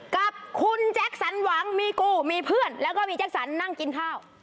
กับคุณแจ็คสันหวังมีกูมีเพื่อนแล้วก็มีแจ็คสันนั่งกินข้าว